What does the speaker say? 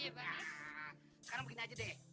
sekarang begini aja deh